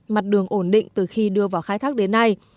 mặt đường ổn định từ khi đưa vào khai thác đến nay